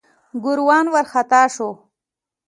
ګوروان وارخطا شو.